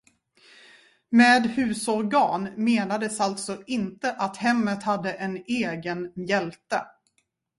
Med husorgan menades alltså inte att hemmet hade en egen mjälte.